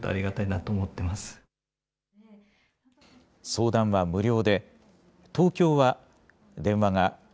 相談は無料。